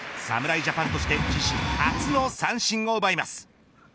侍ジャパンとして自身初の三振を奪います。